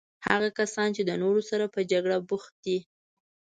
هغه کسان چې د نورو سره په جګړه بوخت دي.